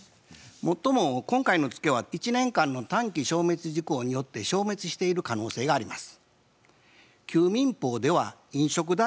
もっとも今回のツケは１年間の短期消滅時効によって消滅している可能性があります。